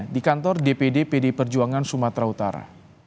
di kantor dpd pd perjuangan sumatera utara